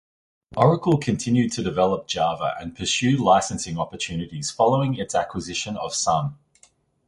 Oracle continued to develop Java and pursue licensing opportunities following its acquisition of Sun.